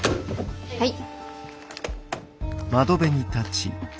はい。